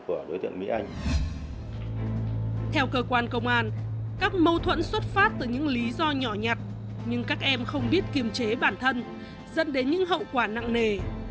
theo cơ quan công an các mâu thuẫn xuất phát từ những lý do nhỏ nhặt nhưng các em không biết kiềm chế bản thân dẫn đến những hậu quả nặng nề